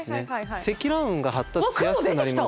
積乱雲が発達しやすくなります。